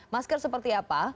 masker seperti apa